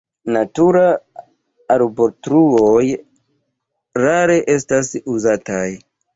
Natura arbotruoj rare estas uzataj.